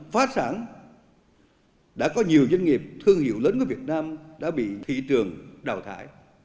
phát sản đã có nhiều doanh nghiệp thương hiệu lớn của việt nam đã bị thị trường đào thải